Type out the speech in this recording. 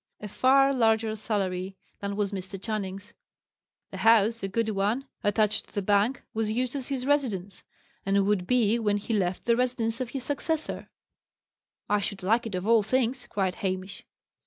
A far larger salary than was Mr. Channing's. The house, a good one, attached to the bank, was used as his residence, and would be, when he left, the residence of his successor. "I should like it of all things!" cried Hamish.